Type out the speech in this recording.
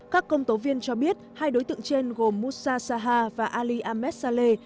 các công tố viên cho biết hai đối tượng trên gồm moussa saha và ali ahmed saleh